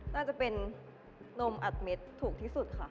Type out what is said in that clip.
น่าจะเป็นนมอัดเม็ดถูกที่สุดค่ะ